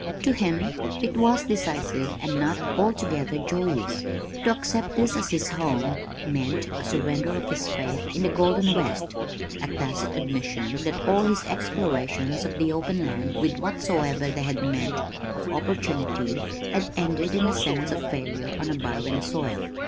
To him it was decisive and not altogether joyous. To accept this as his home meant a surrender of his faith in the Golden West, a tacit admission that all his explorations of the open lands with whatsoever they had meant of opportunity, had ended in a sense of failure on a barren soil.